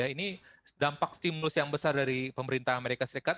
ini dampak stimulus yang besar dari pemerintah amerika serikat